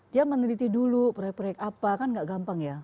dia meneliti dulu proyek proyek apa kan gak gampang ya